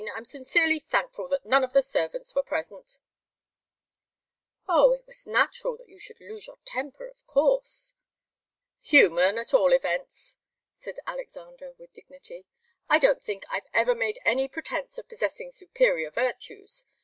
I'm sincerely thankful that none of the servants were present." "Oh it was natural that you should lose your temper, of course!" "Human, at all events," said Alexander, with dignity; "I don't think I've ever made any pretence of possessing superior virtues.